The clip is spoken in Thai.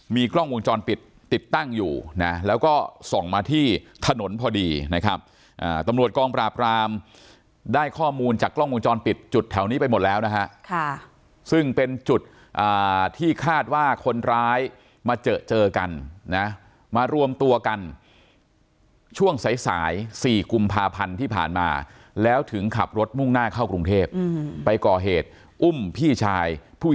มีกล้องวงจรปิดติดตั้งอยู่นะแล้วก็ส่องมาที่ถนนพอดีนะครับตำรวจกองปราบรามได้ข้อมูลจากกล้องวงจรปิดจุดแถวนี้ไปหมดแล้วนะฮะซึ่งเป็นจุดที่คาดว่าคนร้ายมาเจอเจอกันนะมารวมตัวกันช่วงสายสาย๔กุมภาพันธ์ที่ผ่านมาแล้วถึงขับรถมุ่งหน้าเข้ากรุงเทพไปก่อเหตุอุ้มพี่ชายผู้